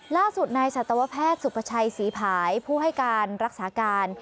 ล่าสุดนายสัตวแพทย์สุประชัยศรีภายผู้ให้การรักษาการ